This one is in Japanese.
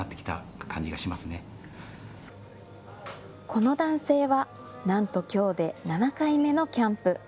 この男性はなんときょうで７回目のキャンプ。